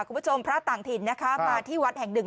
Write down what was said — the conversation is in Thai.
พระต่างถิ่นนะคะมาที่วัดแห่งหนึ่ง